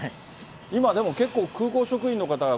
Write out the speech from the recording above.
今、でも結構、空港職員の方が。